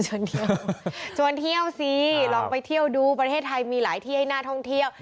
ชวนเที่ยวชวนเที่ยวสิลองไปเที่ยวดูประเทศไทยมีหลายที่ให้น่าท่องเที่ยว